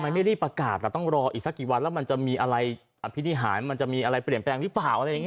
มันไม่รีบประกาศล่ะต้องรออีกสักกี่วันแล้วมันจะมีอะไรอภินิหารมันจะมีอะไรเปลี่ยนแปลงหรือเปล่าอะไรอย่างนี้